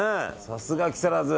さすが木更津。